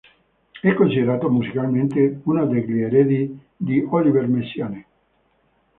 È considerato musicalmente uno degli eredi di Olivier Messiaen.